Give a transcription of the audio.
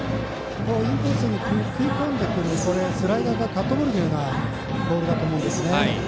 インコースに食い込んでくるスライダーかカットボールのようなボールだと思いますね。